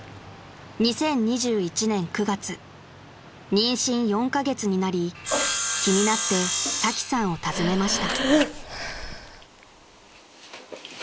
［妊娠４カ月になり気になってサキさんを訪ねました］